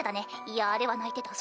いやあれは泣いてた。